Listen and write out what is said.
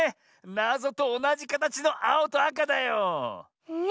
なぞとおなじかたちのあおとあかだよ。ね。